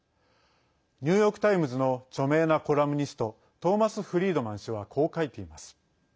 ニューヨークタイムズの著名なコラムニストトーマス・フリードマン氏はこう書いています。